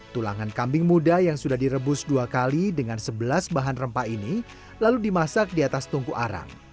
tulangan kambing muda yang sudah direbus dua kali dengan sebelas bahan rempah ini lalu dimasak di atas tungku arang